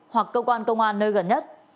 hoặc cơ quan công an nơi gần nhất